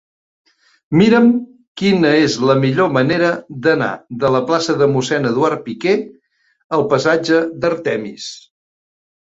Mira'm quina és la millor manera d'anar de la plaça de Mossèn Eduard Piquer al passatge d'Artemis.